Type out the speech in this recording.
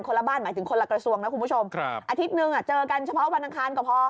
ละบ้านหมายถึงคนละกระทรวงนะคุณผู้ชมครับอาทิตย์หนึ่งอ่ะเจอกันเฉพาะวันอังคารก็พอ